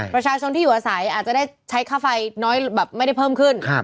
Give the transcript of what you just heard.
ประชาชนที่อยู่อาศัยอาจจะได้ใช้ค่าไฟน้อยแบบไม่ได้เพิ่มขึ้น